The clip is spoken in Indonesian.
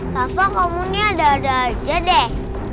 rafa kamu ini ada ada aja deh